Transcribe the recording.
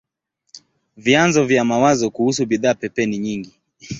Vyanzo vya mawazo kuhusu bidhaa pepe ni nyingi.